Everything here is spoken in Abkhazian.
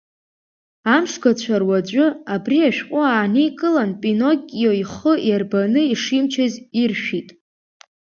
Амшгацәа руаӡәы, абри ашәҟәы ааникылан, Пиноккио ихы иарбаны ишимчыз иршәит.